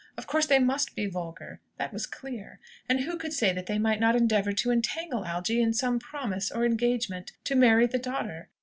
Of course they must be vulgar. That was clear. And who could say that they might not endeavour to entangle Algy in some promise, or engagement, to marry the daughter?